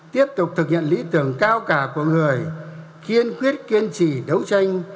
tiếp tục thực hiện lý tưởng cao cả của người kiên quyết kiên trì đấu tranh